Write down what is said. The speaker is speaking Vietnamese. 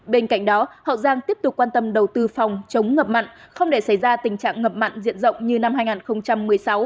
bên cạnh đó hậu giang tiếp tục quan tâm đầu tư phòng chống ngập mặn không để xảy ra tình trạng ngập mặn diện rộng như năm hai nghìn một mươi sáu